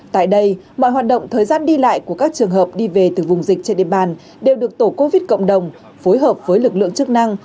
tại đây mọi hoạt động thời gian đi lại của các trường hợp đi về từ vùng dịch trên địa bàn đều được tổ covid cộng đồng phối hợp với lực lượng chức năng